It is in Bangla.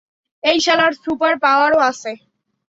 এই শালার সুপার পাওয়ারও আছে!